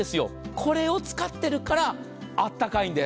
これを使っているからあったかいんです。